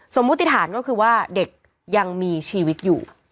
มติฐานก็คือว่าเด็กยังมีชีวิตอยู่